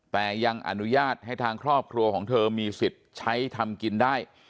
แต่ยังอนุญาตให้ทางครอบครัวของเธอมีสิทธิ์ใช้ทำกินได้